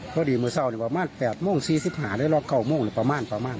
เขาดีมือเศร้าเนี่ยประมาณแปดโมงสี่สิบหาได้รอเก้าโมงประมาณประมาณ